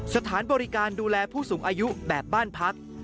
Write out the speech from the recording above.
สถานบริการดูแลผู้สูงอายุแบบบ้านพัก